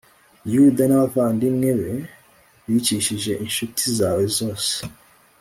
yuda n'abavandimwe be bicishije incuti zawe zose